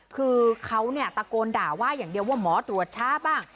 คือเค้าตะโกนด่าไหว้อย่างเดียวว่าหมอตรวจช้าบ้าง